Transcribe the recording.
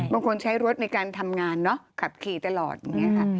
บางคนใช้รถในการทำงานเนอะขับขี่ตลอดอย่างนี้ค่ะ